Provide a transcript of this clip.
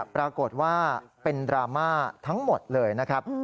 ปรากฏว่าเป็นดราม่าทั้งหมดเลยนะครับ